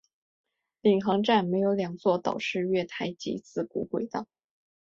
领航站设有两座岛式月台及四股轨道。